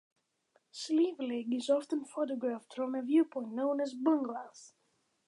Slieve League is often photographed from a viewpoint known as Bunglass.